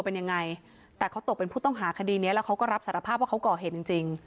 เป็นยังไงแต่เขาตกเป็นผู้ต้องหาคดีนี้แล้วเขาก็รับสารภาพว่าเขาก่อเหตุจริงจริง